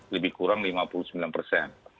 lebih kurang lima puluh sembilan persen